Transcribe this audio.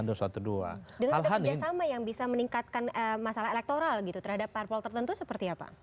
dengan ada kerjasama yang bisa meningkatkan masalah elektoral gitu terhadap parpol tertentu seperti apa